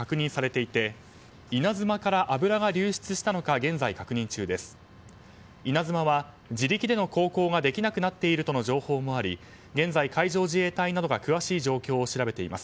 「いなづま」は自力での航行ができなくなっているとの情報もあり現在海上自衛隊などが詳しい状況を調べています。